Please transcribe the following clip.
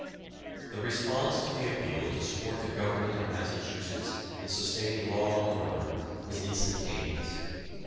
The response to the appeal to support the Government of Massachusetts in sustaining law and order was instantaneous.